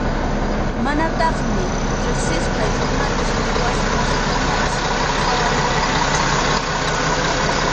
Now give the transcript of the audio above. Manataqmi riqsisqay runapis ni wasi masiykunapas qhawariwankuchu.